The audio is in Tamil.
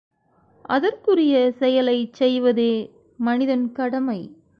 அதற்குரிய செயலைச் செய்வதே மனிதன் கடமை.